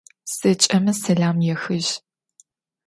Zeç'eme selam yaxıj.